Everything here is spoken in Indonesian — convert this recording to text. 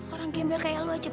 orang gembel kayak lo aja